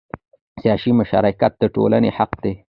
سیاسي مشارکت د ټولنې حق دی